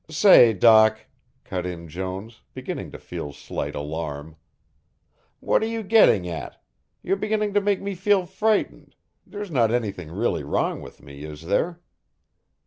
"Say, Doc," cut in Jones, beginning to feel slight alarm. "What are you getting at, you're beginning to make me feel frightened, there's not anything really wrong with me, is there?"